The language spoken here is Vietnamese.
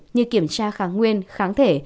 như kiểm tra kháng nguyên kháng thể